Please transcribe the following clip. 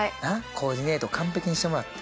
コーディネート完璧にしてもらって。